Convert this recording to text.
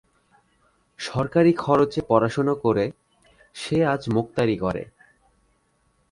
সরকারি খরচে পড়াশুনো করে সে আজ মোক্তারি করে।